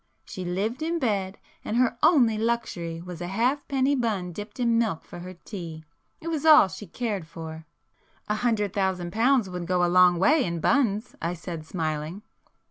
She lived in bed, and her only luxury was a halfpenny bun dipped in milk for her tea. It was all she cared for." "A hundred thousand pounds would go a long way in buns!" I said smiling.